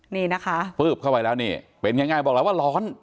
นี่นะคะปึ้บเข้าไปแล้วนี่เป็นอย่างง่ายมือก่อนแล้วว่าร้อน